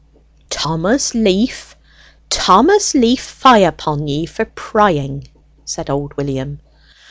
"Thomas Leaf, Thomas Leaf, fie upon ye for prying!" said old William.